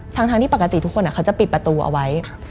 ทั้งที่ปกติทุกคนเขาจะปิดประตูเอาไว้